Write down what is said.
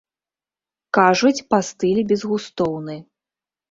Кажуць, па стылі безгустоўны.